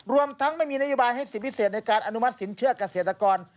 รวมทั้งไม่มีนโยบายให้สิทธิพิเศษในการอนุมัติสินเชื่อเกษตรกร